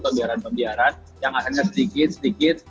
pembiaran pembiaran yang akhirnya sedikit sedikit